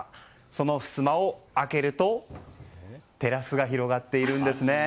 そのふすまを開けるとテラスが広がっているんですね。